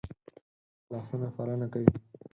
لاسونه پالنه کوي